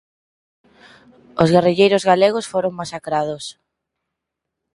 Os guerrilleiros galegos foron masacrados.